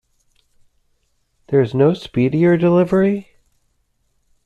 There is no speedier delivery?